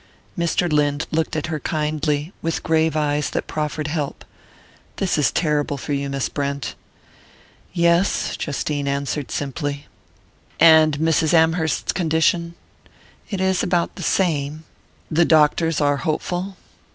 Mr. Lynde looked at her kindly, with grave eyes that proffered help. "This is terrible for you, Miss Brent." "Yes," Justine answered simply. "And Mrs. Amherst's condition ?" "It is about the same." "The doctors are hopeful?"